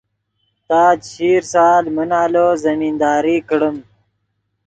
تا چشیر سال من آلو زمینداری کڑیم